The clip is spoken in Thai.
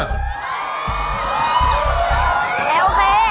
แต่โอเค